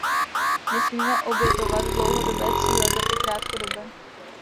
Nesmíme obětovat dlouhodobé cíle za ty krátkodobé.